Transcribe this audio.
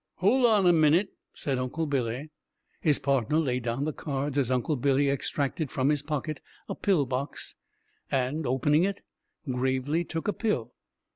"Hol' on a minit," said Uncle Billy. His partner laid down the cards as Uncle Billy extracted from his pocket a pill box, and, opening it, gravely took a pill.